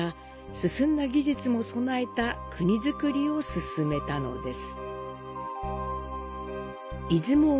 進んだ技術も備えた国造りを進めたのです。